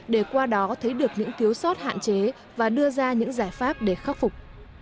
để qua đó thấy được những thiếu sót hạn chế và đưa ra những giải pháp để khắc phục